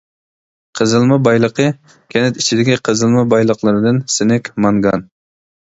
قېزىلما بايلىقى كەنت ئىچىدىكى قېزىلما بايلىقلىرىدىن سىنك، مانگان.